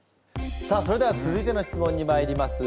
さあそれでは続いての質問にまいります。